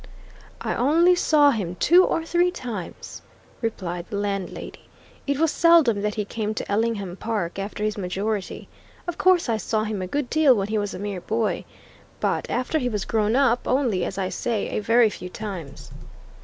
"I only saw him two or three times," replied the landlady. "It was seldom that he came to Ellingham Park, after his majority. Of course, I saw him a good deal when he was a mere boy. But after he was grown up, only, as I say, a very few times."